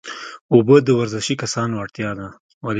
اوبه د ورزشي کسانو اړتیا ده